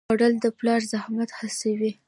خوړل د پلار زحمت حسوي